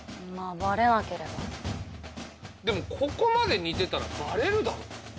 でもここまで似てたらバレるだろ。